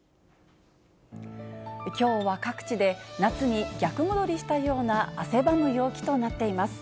きょうは各地で、夏に逆戻りしたような汗ばむ陽気となっています。